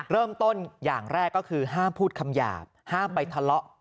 เริ่มต้นอย่างแรกก็คือห้ามพูดคำหยาบห้ามไปทะเลาะ